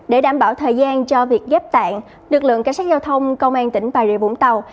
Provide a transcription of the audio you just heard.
để đảm bảo thời gian cho việc ghép tạng lực lượng cảnh sát giao thông công an tỉnh bà rịa vũng tàu